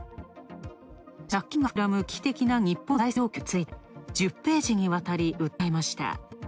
借金が膨らむ危機的な日本の財政状況について、１０ページにわたり訴えました。